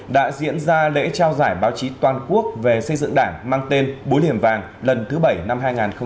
đã diễn ra lễ trao giải báo chí toàn quốc về xây dựng đảng mang tên búa liềm vàng lần thứ bảy năm hai nghìn hai mươi